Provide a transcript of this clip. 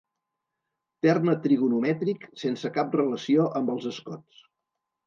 Terme trigonomètric sense cap relació amb els escots.